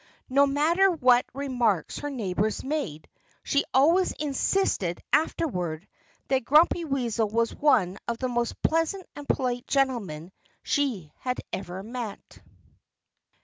No matter what remarks her neighbors made, she always insisted afterward that Grumpy Weasel was one of the most pleasant and polite gentlemen she had ever met.